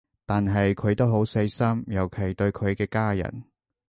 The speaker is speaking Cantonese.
但係佢都好細心，尤其對佢嘅家人